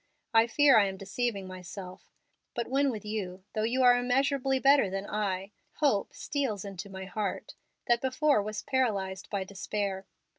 I fear I am deceiving myself, but when with you, though you are immeasurably better than I, hope steals into my heart, that before was paralyzed by despair.